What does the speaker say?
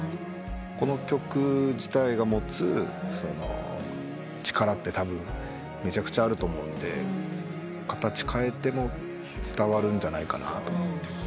この曲自体が持つ力ってたぶんめちゃくちゃあると思うんで形変えても伝わるんじゃないかなと思って。